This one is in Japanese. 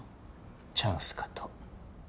チャンスかと。